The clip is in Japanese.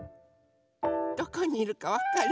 どこにいるかわかる？